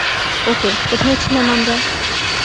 ওকে, কোথায় ছিলাম আমরা?